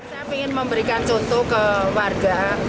saya ingin memberikan contoh ke warga